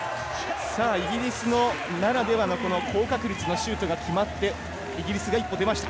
イギリスならではの高確率のシュートが決まってイギリスが一歩出ました。